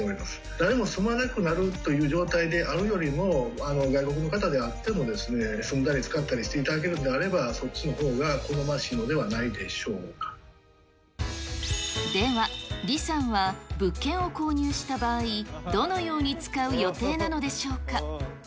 誰も住まなくなるという状態であるよりも、外国の方であってもですね、住んだり使ったりしていただけるんであれば、そっちのほうが好までは、李さんは物件を購入した場合、どのように使う予定なのでしょうか。